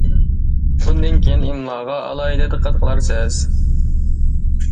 بۇندىن كېيىن ئىملاغا ئالاھىدە دىققەت قىلارسىز!